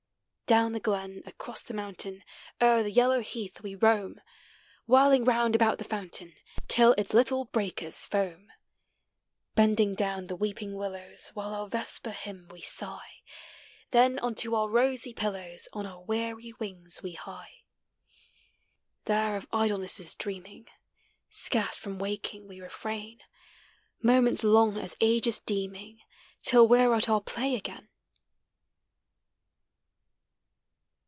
Down the glen, across the mountain, O'er the yellow heath we roam, Whirling round about the fountain, Till its little breakers foam. Bending down the weeping willows, AVhile our vesper hymn we sigh; Then unto our rosy pillows On our weary wings we hie. There of idlenesses dreaming, Scarce from waking we refrain, Moments long as ages deeming Till we ? re at our play again.